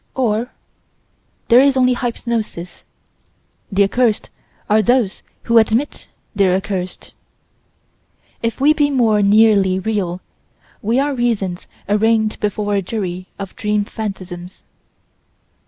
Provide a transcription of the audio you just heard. Or there is only hypnosis. The accursed are those who admit they're the accursed. If we be more nearly real we are reasons arraigned before a jury of dream phantasms.